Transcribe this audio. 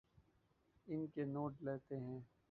ان کے نوٹ لیتے ہیں